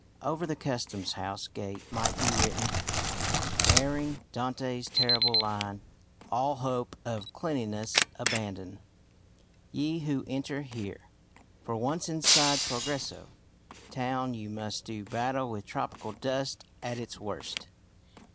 Over the Customs House gate might be written, varying Dante's terrible line, "All hope of cleanliness abandon, ye who enter here": for once inside Progreso town you must do battle with tropical dust at its worst.